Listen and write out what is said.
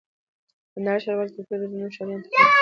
کندهار ښاروالي ټولو درنو ښاريانو ته خبر ورکوي: